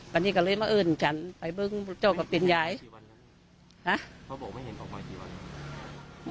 วันนี้ก็เลยเมื่ออื่นฉันไปเบิ้งเจ้ากับเป็นยายฮะเขาบอกไม่เห็นออกมากี่วัน